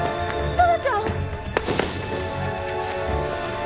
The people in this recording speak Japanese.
トラちゃん。